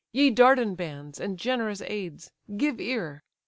Ye Dardan bands, and generous aids, give ear!